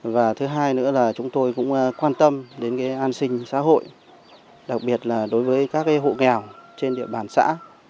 và thứ hai nữa là chúng tôi cũng quan tâm đến an sinh xã hội đặc biệt là đối với các hộ nghèo trên địa bàn xã